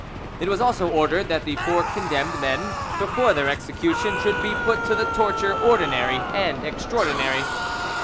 It was also ordered that the four condemned men before their execution should be put to the torture ordinary and extraordinary.